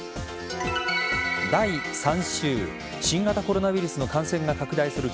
第３週新型コロナウイルスの感染が拡大する